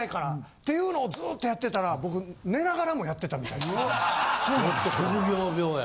っていうのをずっとやってたら僕寝ながらもやってたみたいで。